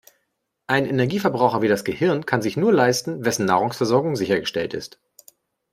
Einen Energieverbraucher wie das Gehirn kann sich nur leisten, wessen Nahrungsversorgung sichergestellt ist.